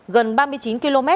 gần ba mươi chín km